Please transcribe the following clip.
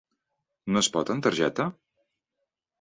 No es pot en targeta?